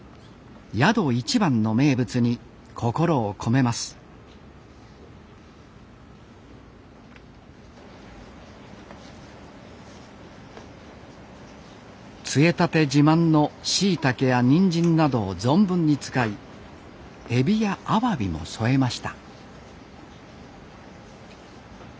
宿一番の名物に心を込めます杖立自慢のしいたけやにんじんなどを存分に使いえびやあわびも添えました